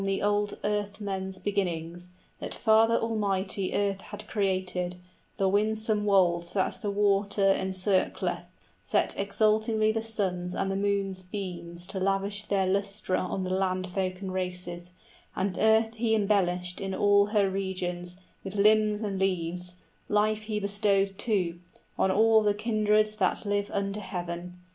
]} To tell from of old earthmen's beginnings, That Father Almighty earth had created, 40 The winsome wold that the water encircleth, Set exultingly the sun's and the moon's beams To lavish their lustre on land folk and races, And earth He embellished in all her regions With limbs and leaves; life He bestowed too 45 On all the kindreds that live under heaven.